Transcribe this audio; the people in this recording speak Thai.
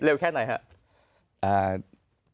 เร็วแค่ไหนครับ